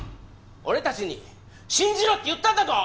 俺たちに信じろって言ったんだぞ！